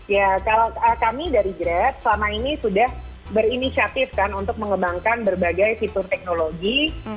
ya kalau kami dari jerat selama ini sudah berinisiatif kan untuk mengembangkan berbagai fitur teknologi